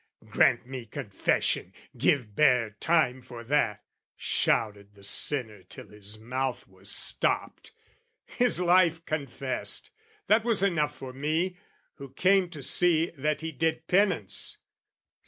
"Grant me confession, give bare time for that!" Shouted the sinner till his mouth was stopped. His life confessed! that was enough for me, Who came to see that he did penance.